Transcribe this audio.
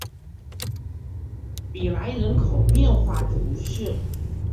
比莱人口变化图示